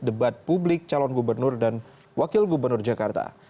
debat publik calon gubernur dan wakil gubernur jakarta